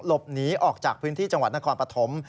หลบหนีออกจากพื้นที่จังหวัดนครปฐม